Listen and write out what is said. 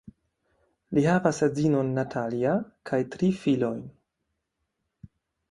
Li havas edzinon Natalia kaj tri filojn.